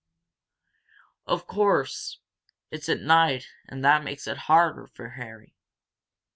"Of course it's at night and that makes it harder for Harry."